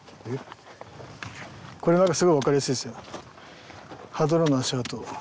これなんかすごい分かりやすいですよ。